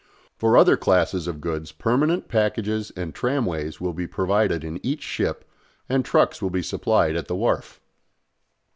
For other classes of goods permanent packages and tramways will be provided in each ship, and trucks will be supplied at the wharf.